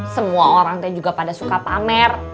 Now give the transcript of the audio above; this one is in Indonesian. semua orang tuanya juga pada suka pamer